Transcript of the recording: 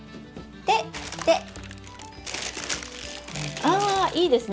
あいいですね！